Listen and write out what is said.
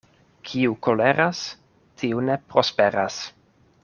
Kiu koleras, tiu ne prosperas.